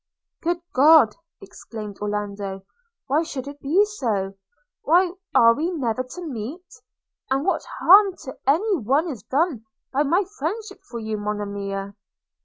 'Good God!' exclaimed Orlando, 'why should it be so? – Why are we never to meet? and what harm to any one is done by my friendship for you, Monimia?'